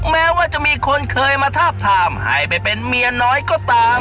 แม้ว่าจะมีคนเคยมาทาบทามให้ไปเป็นเมียน้อยก็ตาม